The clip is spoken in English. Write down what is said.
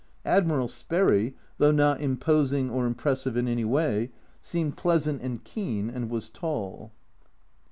Admiral Sperry, though not imposing or impressive in any way, seemed pleasant and keen, and was tall.